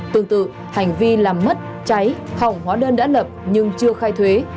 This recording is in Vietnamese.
tương tự hành vi làm mất cháy hỏng hóa đơn đã lập nhưng chưa khai thuế